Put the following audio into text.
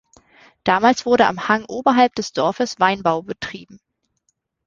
Damals wurde am Hang oberhalb des Dorfes Weinbau betrieben.